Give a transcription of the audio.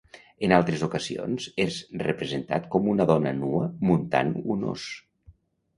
En altres ocasions és representat com una dona nua muntant un os.